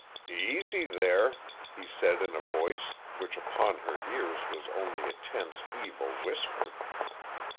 "Easy there," he said in a voice which upon her ears was only a tense, evil whisper.